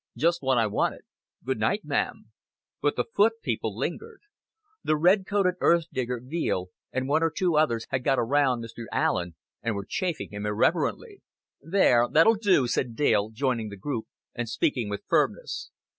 Just what I wanted.... Good night, ma'am;" but the foot people lingered. The red coated earth digger, Veale, and one or two others, had got around Mr. Allen and were chaffing him irreverently. "There, that'll do," said Dale, joining the group and speaking with firmness.